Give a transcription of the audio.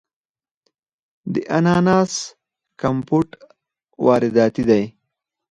د اناناس کمپوټ وارداتی دی.